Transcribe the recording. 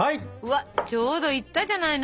わっちょうどいったじゃないの？